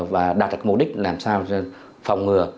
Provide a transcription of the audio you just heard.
và đạt được mục đích làm sao phòng ngừa